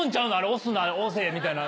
「押すな」「押せ」みたいな。